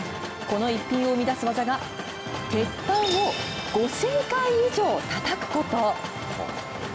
この逸品を生み出す技が、鉄板を５０００回以上たたくこと。